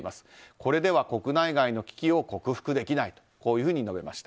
これでは国内外の危機を克服できないと述べました。